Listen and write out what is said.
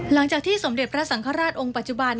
หลังจากที่สมเด็จพระสังคราชองค์ปัจจุบัน